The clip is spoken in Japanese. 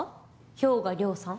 氷河涼さん。